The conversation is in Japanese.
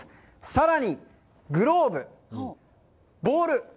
更にグローブボール。